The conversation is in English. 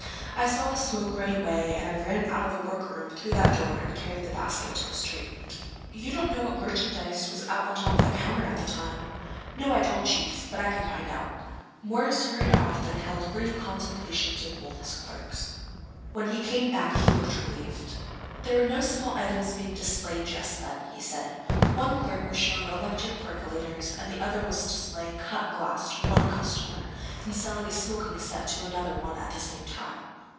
I saw the smoke right away, and I ran out of the workroom through that door and carried the basket to the street." "You don't know what merchandise was out on top of the counter at the time?" "No, I don't, Chief. But I can find out." Morris hurried off and held brief consultations with both his clerks. When he came back he looked relieved. "There were no small items being displayed just then," he said. "One clerk was showing electric percolators, and the other was displaying cut glass to one customer and selling a smoking set to another one at the same time."